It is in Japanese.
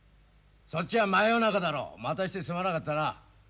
そっちは真夜中だろ待たしてすまなかったな。